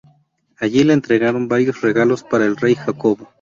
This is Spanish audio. Allí le entregaron varios regalos para el rey Jacobo.